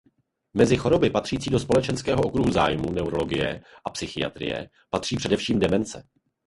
Mezi choroby patřící do společného okruhu zájmu neurologie a psychiatrie patří především demence.